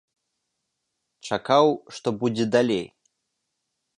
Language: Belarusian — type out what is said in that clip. Чакаў, што будзе далей.